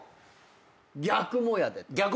逆もやで！